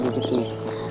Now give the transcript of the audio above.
gue duduk sini